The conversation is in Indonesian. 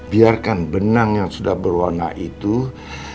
biarkan benang yang sudah berwarna aslinya jadi merah